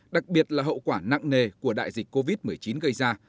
đặc biệt là hậu quả nặng nề của đại dịch covid một mươi chín gây ra